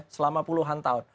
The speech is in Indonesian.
selama puluhan tahun